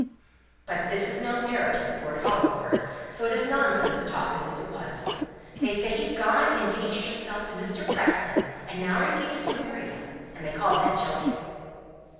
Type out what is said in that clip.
"But this is no marriage with Lord Hollingford, so it is nonsense to talk as if it was. They say you've gone and engaged yourself to Mr. Preston, and now refuse to marry him; and they call that jilting."